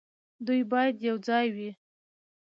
دوی باید یوځای وي.